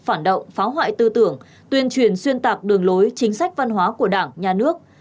phản động phá hoại tư tưởng tuyên truyền xuyên tạc đường lối chính sách văn hóa của đảng nhà nước